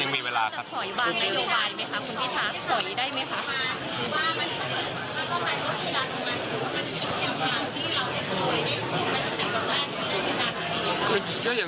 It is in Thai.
ก็เดี๋ยวจะค่อยกัน